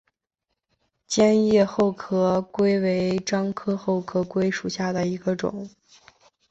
尖叶厚壳桂为樟科厚壳桂属下的一个种。